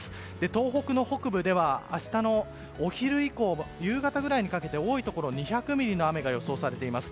東北の北部では明日のお昼以降夕方ぐらいにかけて多いところで２００ミリの雨が予想されています。